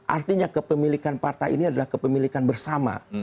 artinya kepemilikan partai ini adalah kepemilikan bersama